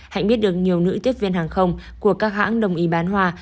hạnh biết được nhiều nữ tiếp viên hàng không của các hãng đồng ý bán hoa